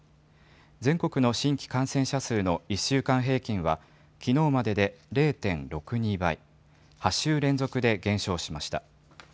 全国の新規感染者数の１週間平均は、きのうまでで０．６２倍、８週連続で減少しました。